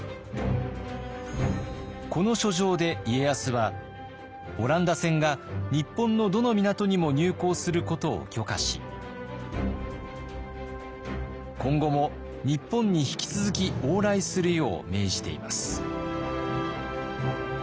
この書状で家康はオランダ船が日本のどの港にも入港することを許可し今後も日本に引き続き往来するよう命じています。